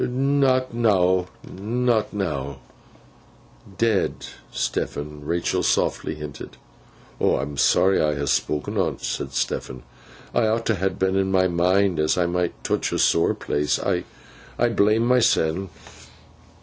'Not now, not now.' 'Dead, Stephen,' Rachael softly hinted. 'I'm sooary I ha spok'n on 't,' said Stephen, 'I ought t' hadn in my mind as I might touch a sore place. I—I blame myseln.